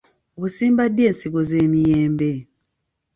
Osimba ddi ensigo z'emiyembe?